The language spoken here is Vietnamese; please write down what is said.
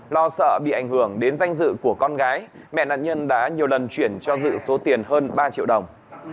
lo sợ bị ảnh hưởng đến danh dự của con gái mẹ nạn nhân đã nhiều lần chuyển cho dự số tiền hơn ba triệu đồng